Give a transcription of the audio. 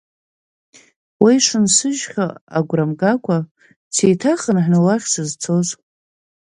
Уа ишынсыжьхьоу агәра мгакәа, сеиҭахынҳәны уахь сызцоз.